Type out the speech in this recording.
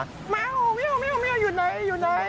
แมวไม่เอาอยู่ไหน